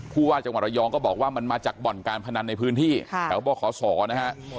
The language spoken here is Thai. ผู้ว่าจังหวัดระยองก็บอกว่ามันมาจากบ่อนการพนันในพื้นที่แถวบขศนะฮะ